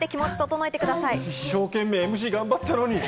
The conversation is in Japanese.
一生懸命、ＭＣを頑張ったのに！